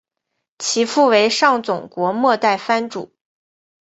其父为上总国末代藩主。